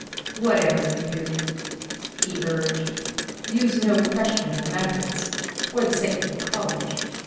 "Whatever you do," he urged, "use no questionable methods, for the sake of the College.